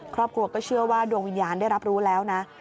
ครอบครัวก็เชื่อว่าดวงวิญญาณได้รับรู้แล้วนะ